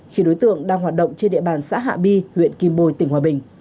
khi đối tượng đang hoạt động trên địa bàn xã hạ bi huyện kim bồi tỉnh hòa bình